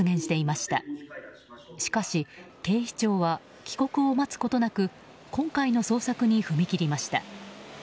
しかし、警視庁は帰国を待つことなく今回の捜索に踏み切りました。